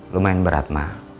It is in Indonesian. lumayan berat ma